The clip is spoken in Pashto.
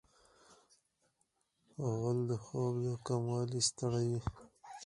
غول د خوب د کموالي ستړی وي.